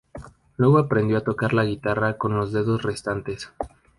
Luego aprendió a tocar la guitarra con los dedos restantes.